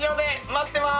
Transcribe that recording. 待ってます！